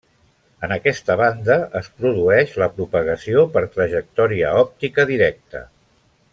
En aquesta banda es produeix la propagació per trajectòria òptica directa.